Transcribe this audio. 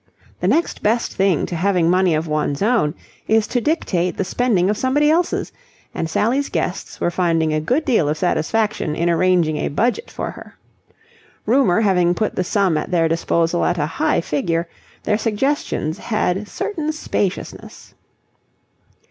The next best thing to having money of one's own, is to dictate the spending of somebody else's, and Sally's guests were finding a good deal of satisfaction in arranging a Budget for her. Rumour having put the sum at their disposal at a high figure, their suggestions had certain spaciousness.